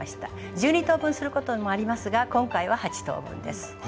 １２等分することもありますが今回は８等分です。